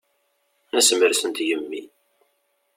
Asemres n tgemmi.